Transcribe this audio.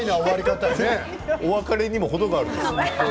お別れにも程がある。